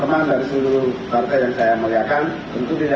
mulai ada diskusi